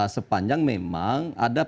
sepanjang memang ada